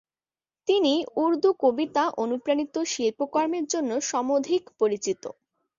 তিনি উর্দু কবিতা-অনুপ্রাণিত শিল্পকর্মের জন্য সমধিক পরিচিত।